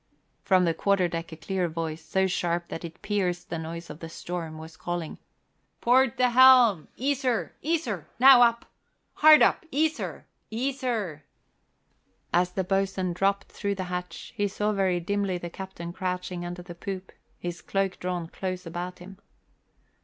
From the quarter deck a clear voice, so sharp that it pierced the noise of the storm, was calling, "Port the helm! Ease her, ease her! Now up! Hard up! Ease her, ease her!" As the boatswain dropped through the hatch, he saw very dimly the captain crouching under the poop, his cloak drawn close about him.